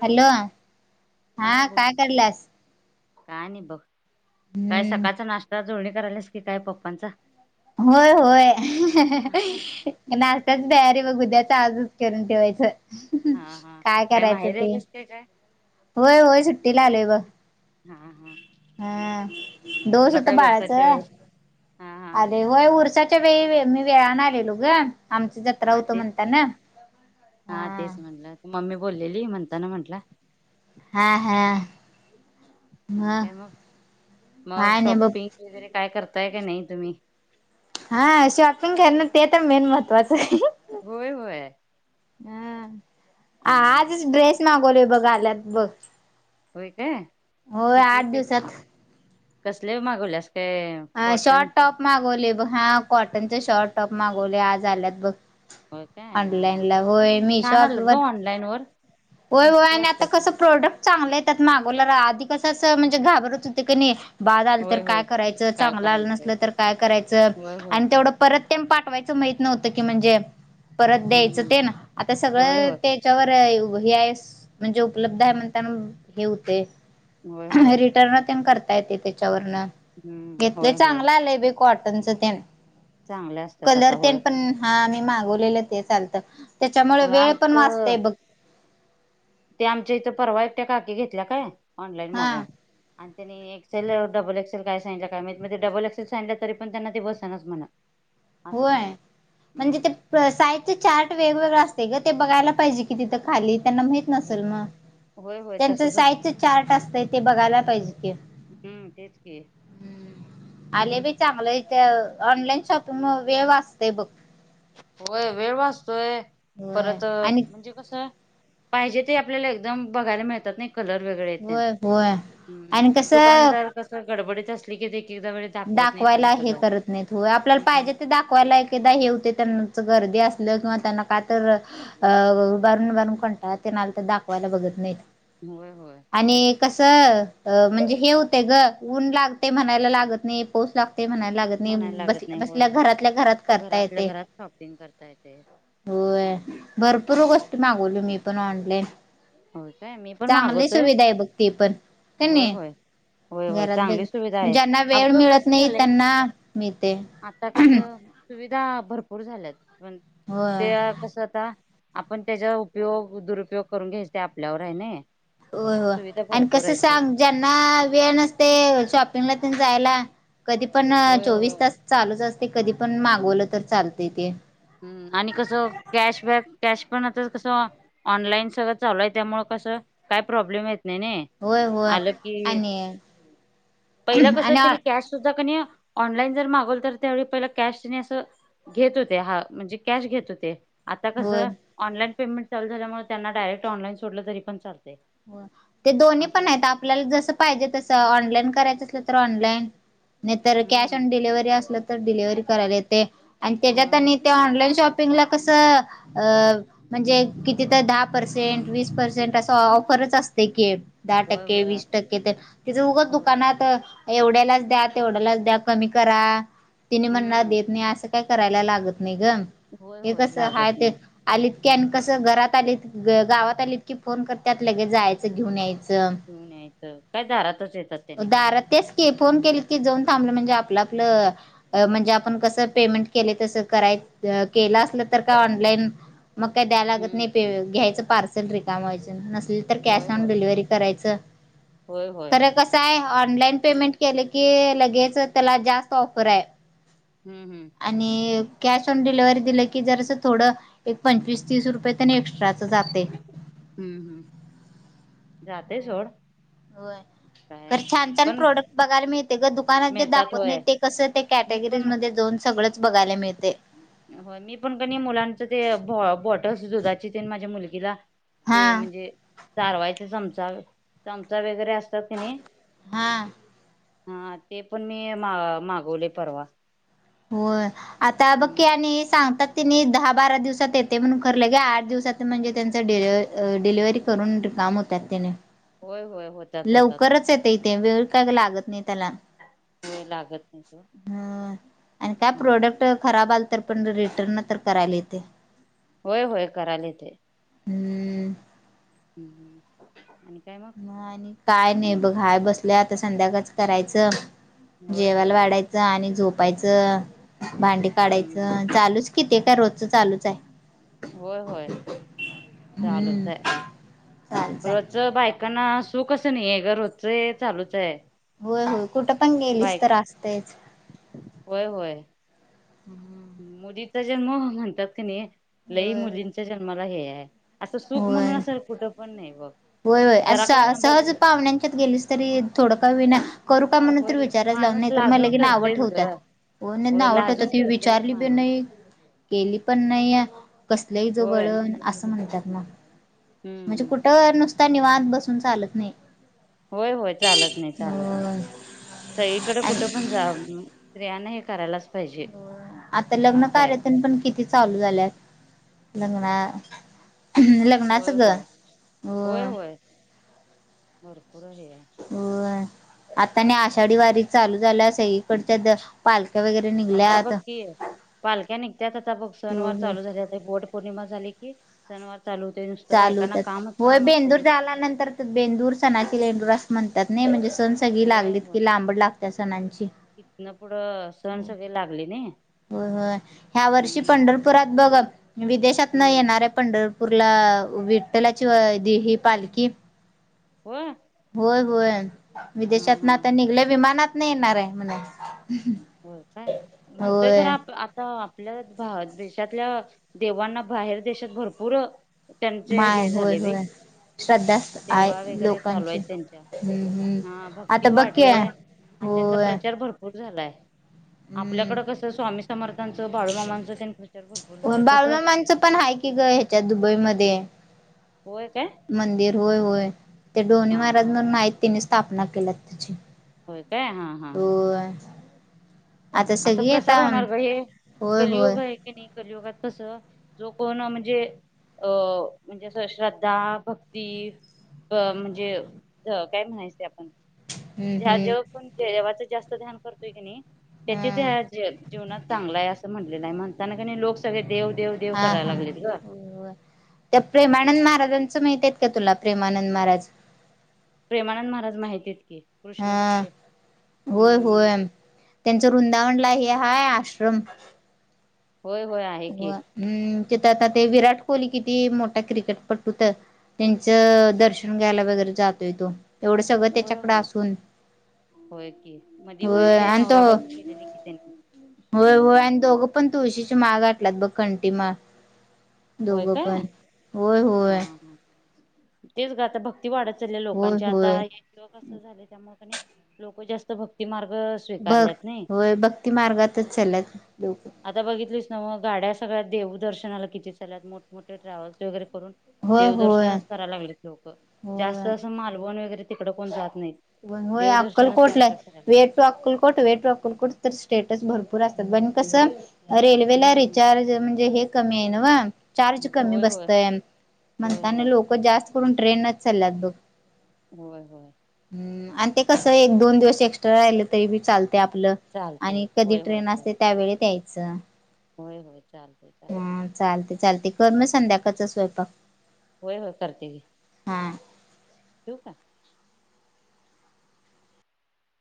Hello हा काय करलंस. काय नाही बघ काय हम्म सकाळचा नाश्ता जोळणी करायलास की काय पप्पांचा. होय होय. हा नाशताच दयार बघ उद्याच आजूच करून ठेवायचं. हा हा काय माहेर येलच ते काय. होय होय सुट्टीला आलोय ब. हा हा. हम दोष तुला होत काय व्यवसाच्या बाळाचं. वेळेस हा हा अरे होय उरसाच्या वेळी मी वेळाने आलेलो ग. आमच जत्रा हा होत तेच की म्हणताना हा हा. तेच म्हटलं मम्मी बोललेली म्हणताना म्हटला. हा हा आणि काय मग मग काय नाही बघ शॉपिंग. वगैरे काय करताय का नाही तुम्ही. हा शॉपिंग कर ना ते तर मेन महत्त्वाचं आहे. होय होय. हम हम्म आजच ड्रेस मागवले बघा आल्यात बघ. होय काय होय किती आठ कच दिवसात कसले मागवल्यास काय. अ कॉटन शॉर्ट क- टॉप मागवले बघ हा कॉटनचे शॉर्ट टॉप मागवले आज आल्यात बघ. होय काय हा ऑनलाईन हा ला होय मी छान शॉप आलत व ग ऑनलाईन वर होय होय मस्त आणि आता वाटतात कस. प्रोडक्ट चांगला आहे त्यात मागवल्याला आधी कसं असं म्हणजे घाबरत होते क नाही. बाद आलं तर होय होय काय करायचं काय चांगलं आलं करायचं नसलं तर काय करायचं होय होय आणि. तेवढं परत ते पाठवायचं माहित नव्हतं की म्हणजे. परत हम्म द्यायचं हम्म. ते ना आता होय सगळं ते. होय त्याच्यावर हे आहे म्हणजे उपलब्ध आहे म्हणताना हे होते. होय होय रिटर्न त्यां करता येते त्याच्यावरन. हम्म घेतलंय होय होय चांगलं आलंय बे कॉटनचं ते. चांगले असतात आता कलर होय तेन पण हा मी मागवलेलं ते चालत. त्याच्यामुळे होय वेळ पण आमचं वाचतेय बघ. ते आमच्या इथं परवा एकट्या काकी घेतल्या काय ऑनलाईन हा मागून. आणि त्यांनी एक्सेल डबल एक्सेल काय सांडलं काय ते डबल एक्सेल सांडलं तरी पण त्यांना ते बसनाच म्हण. ह. असं झालं हम्. साईझ चार्ट वेगवेगळं असते ग ते बघायला पाहिजे की तिथं खाली त्यांना. नल मग होय होय त्यांच तसच होत साईजच चार्ट असत ते बघायला पाहिजे कि. हम्म तेच क हम्म आले बा चांगलं इथ ऑनलाईन शॉपिंग वेळ वाचतय बघ. होय वेळ वाचतोय होय परत आणि म्हणजे. कस पाहिजे ते आपल्याला एकदम बघायला मिळतात नाही. कलर वेगळे आहेत होय होय त्यांचे, आणि कसं दुकानदार कस गडबडीत असली किएक एखाद्या वेळेस. दाखवायला हे करत नाहीत आपल्याला हम्म पाहिजे ते दाखवायला अकेकदा हे होते. त्यांनाच गर्दी असलं किंवा त्यांना काय तर. अं उभारून उभारून कंटाळा तेन आला तर ते दाखवायला बघत नाहीत. होय होय. आणि कसं म्हणजे हे होते ग ऊन लागते म्हणायला लागत नाही पाऊस लाग ते म्हणायला लागत नाही म्हणायला बस लागत नाही होय बसल्या होय घरातल्या घरात करताय घरातल्या येतंय. घरात हा. भरपूर गोष्ट मागवली मी पण ऑनलाईन होय काय मी पण चांगली मागवतोय सुविधा आहे बघ तीपण कनि होय होय होय होय घरात चांगली सुविधा ब आहे. ज्यांना वेळ अगं मिळत कसं नाही झालंय त्यांना मिळते. आता कसं सुविधा भरपूर झाल्यात पण होय त्या तस आता आपण त्याचा उपयोग दुरुपयोग करून घ्यायच ते आपल्यावर आहे ना. हो हो सुविधा आणि भरपूर कसं आहेत सोड सांग. ज्यांना वेळ नसते शॉपिंगला जायला कधी पण होय चोवीस होय तास. चालूच असते कधी पण मागवलं तर चालत ते हम्म आणि कसं कॅशबॅक कॅश पण आता कसं. ऑनलाईन सगळं चालू आहे त्यामुळं कसं काही प्रॉब्लेम येत नाही ना. होय होय आणि पहिला कसं आणि त्यानी कॅश सुद्धा क नाही. ऑनलाईन जर मागवल तर त्यावेळी पहिला कॅश असं घेत होते हा म्हणजे कॅश घेत होते. आता होय कसं ऑनलाईन पेमेंट चालू झाल्यामुळे त्यांना डायरेक्ट ऑनलाईन सोडलं तरी पण चालते. हो ते दोन्ही पण आहेत आपल्याला जस पाहिजे तसं ऑनलाईन करायचं असल तर ऑनलाईन. नाही तर कॅश हम्म आणी डिलिव्हरी असलं तर डिलिव्हरी करायला येते आणि होय त्याच्यात होय आणी ते ऑनलाईन शॉप. कस म्हणजे किती दहा पर्सेंट वीस पर्सेंट अस ऑफ. खरंच असते की दहा होय टक्के होय वीस असं- टक्के तर तिथं उघच होय दुकानात एवढ्यालाच द्या तेवढ्यालाच द्या कमी करा तिने म्हणणार हम्म देत नाही असं. काय करायला लागत नाही ग होय हे होय कस हाय लागत ते. नाही आलीत की आणि कसं घरात आलीत गावात आलीत की फोन करतात लगेच जायचं घेऊन यायचं. घेऊन यायचं काय दारातच येतात त्यानि काय. ते फोन केल की जाऊन थांबलं म्हणजे आपलं आपलं. म्हणजे आपण कसं पेमेंट केलंय तसं करायच केलं असलं तर काय ऑनलाईन. मग काय द्याय लागत हम्म नाही प घ्यायचं पार्सल रिकाम व्हायच नसली. तर कॅश होय ऑन होय डिलिव्हरी करायच होय होय ख कस. काय ऑनलाईन पेमेंट केलं की लगेच त्याला जास्त ऑफर आहे. हम्म हम् आणि कॅश ऑन डिलिव्हरी दिलं की जर अस थोडं. एक पंचवीस तीस रुपये त्यांनी एक्स्ट्राच जाते. हम्म हम्म जातय सोड. हो बाहेर तर छान छान पण प्रोडक्ट बघायला मिळते ग दुकानात जे मिळतात दाखवत नाही होय ते कसं ते कॅ मी कॅटगरी पण मध्ये जाऊन सगळंच बघायला मिळते. होय मी पण कणी मुलांचं ते बॉटल दुधाचे तेन माझ्या मुलगीला. हा ते म्हणजे चारवायचा चमचा चमचा वगैरे असत. हा हा ते पण मी मा मागवले परवा हो आता बघकीी हम्म आणि सांगतात. तिनी दहा बारा दिवसात येते म्हणून खरलं लगेच आठ दिवसात म्हणजे त्यांचं डिले डिलिव्ही करून रिकाम होतत. कातने होय होय होत. लवकरच येत इथे वेळ काय लागत नाही त्याला होय लागत नाही सोड हम आणि काय हम्म प्रोडक्ट खराब आल तर पण रिटर्न तर करायला येते. होय होय करायले ते हम्म हम् आणि काय म आणि काय नाही बघ हाय बसल्या आता संध्याकाळच करायचं होय जेवायला होय वाढायच. आणि झोपायचं भांडे हम्म काढायचं चालूच किती का रोजच चालूच आहे. होय होय चालूच हम्म आहे चालूच आहे रच बायक. कना सुखसं नाही घ होजचंय चालूच आहे. होय हो कुठं पण गेलीस बाईक तर असतेच. होय होय. मुलीचा जन्म म्हणतात की नाही लई होय होय मुलींचा जन्माला हे आहे. असं सुख म्हणून होय असेल कुठं पण नाही बघ होय होय जरा आज काय ना बघ. सहज पाहुण्यांच्यात गेलीस तरी थोडं का विना. करू का म्हणून तर होय विचाराच लावून माणूस नाही तर मला लाजून लगेन आवड करतेच ग ठेवतात. हो नाही होय नावटत लाजून ती करतेच विचारली पी माणूस नाही. केली पण नाही कसलंही होय जवळण असं म्हणतात ना. हम्म म्हणजे हम्म कुठं नुसता नि वात बसून चालत नाही. होय होय चालत नाही चालत नाही होय सईकडे कुठे आणि पण जा. स्तियां हे करायलाच. पाहिजे हो आता लग्न असं आहे कार्यातून पण किती चालू झा ल. नाच होय ग होय हो. होय होय भरपूर आहे. हो आता नाही आषाढी वारी चालू झालं असे इकडच्या पालक्या वगैरे आता बघ निघल्यात की पालक्या निघत्यात आता बघ सनवार होय होय चालू झाले बोट. पौर्णिमा झाली कि सनवार चालू होते नुसतं चालू बायकांना होत्यात कामच होय काम असते बेंदूर नुसतं घरात. झाल्यानंतर बेंदूर सणाचे लेंडूर अस म्हणतात नाही म्हणजे स सग होय लागलीत होय की लांबड लागत्या सणांची तिथनं पुढं सगळे लागले नाही. हो हो ह्या वर्षी हम्म पंढरपुरात बघ विदेशात न हम्म येणारे पंढरप उर्ला विठ्ठलाची दि ही पालखी हो होय होय विदेशात हा ना तर निघल्या विमानात नाही येणार आहे म्हणून होय काय म्हणतोय जर आप ता आपल्या भार देशातल्या देवांना बाहेर देशात भरपूर त्यांचे माय हे होय झाले बई. होय श्रद्धा सेवा आहे वगैरे चालू आहे लोकांची त्यांच्या हम्म हम्म हा भक्ती आता बघकी वाढले. आणि त्यांचा होय प्रचार भरपूर झालाय. आपल्याकडं हम्म कसं स्वामी समर्थांचं बाळूमामांच त्यांनी प्रचार भरपूर झालाय तसं. बाळूमामांचं पण ह त्या दुबईमध्ये आहे. होय काय? मंदिर होय होय ते डोनी हा महाराज हा म्हणून आहेत तिनी स्थापना केली त्याची होय काय हा हा. होय आता असं सगळी प्रसार आता होणार गं हे होय होय कलयुग आहे. कणी कलयुगात कसं जो कोण म्हणजे अ म्हणजें अस श्रद्धा भक्ती क म्हणजे काय म्हणायचं ते आपण हम्म ज्या हम्म जव्हा पण जेव्हाच जास्त ध्यान करतोय की नाही त्याच्याच हम या ज जीवनात चांगला आहे असं म्हटलेलं आहे म्हणताना कणी लोक सगळे देव देव देव हा हा करायला लागलेत ग होय. त्या प्रेमानंद महाराजांचं माहिती आहेत का तुला प्रेमानंद महाराज प्रेमानंद महाराज माहिती आहेत की कृष्ण हा भक्त होय हम्म. होय त्यांचं वृंदावनला हे हाय आश्रम. होय होय आहे. की होय हम् तिथ आता ते विराट कोहली किती मोठा क्रिकेट पट्टूत त्यांचं दर्शन घ्यायला वगैरे जातोय तो एवढं सगळं होय त्याच्याकडे होय असून. होय की मधी होय की आणि तो नवरा बायको गेलेली कि त्यांनी होय होय आणि दोघं पण तुळशीची माळ घातल्यात बघ कंटी माळ. होय दोघं काय पण होय हा होय. हा तेच ग आता भक्ती वाढत चालल्या होय लोकांची आता. होय लोक असं झालय त्यामुळ कणी लोकं जास्त भक्ती मार्ग बघ स्वीकारल्यात नाही होय भक्ती मार्गातच चालल्यात लोकं. आता बघितलीस नव्ह गाड्या सगळ्या देवदर्शनाला किती चालल्यात मोठमोठे ट्रॅव्हल्स वगैरे करून होय होय देवदर्शनच कराय लागल्यात लोकं जास्त होय असं मालवण वगैरे तिकड कोण जात नाहीत. व्हय होय देवदर्शनच अक्कलकोटलाच करायला फिरायला वेट अक्कलकोट वे टू अक्कलकोट तर स्टेटस भरपूर असत्यात बघ कसं रेल्वेला हम्म रिचार्ज ज म्हणजे हे कमी हाय नव्ह चार्ज कमी होय होय बसतय होय म्हणताना होय लोकं जास्त करून ट्रेनच चालल्यात बघ. होय होय. हम्म आणि ते कसं एक दोन दिवस एक्स्ट्रा राहिलं तरी बी चालतंय आपलं चालतय आणि कधी होय होय ट्रेन चाल असतय त्यावेेळेत यायचं. होय होय चालतंय चालतं चालतय चालतंय कर मग संध्याकाळच स्वयंपाक. होय होय करते घे. हा ठेऊ का?